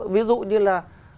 ví dụ như là